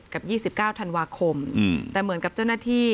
๒๙ธันวาคมแต่เหมือนกับเจ้าหน้าที่